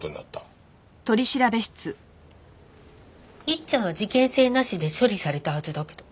いっちゃんは事件性なしで処理されたはずだけど。